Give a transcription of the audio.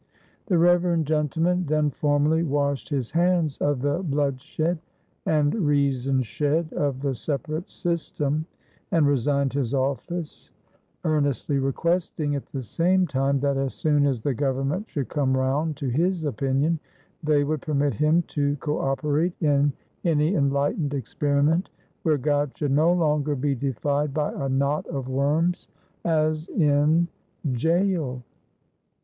The reverend gentleman then formally washed his hands of the bloodshed and reason shed of the separate system, and resigned his office, earnestly requesting at the same time that, as soon as the government should come round to his opinion, they would permit him to co operate in any enlightened experiment where God should no longer be defied by a knot of worms as in Jail.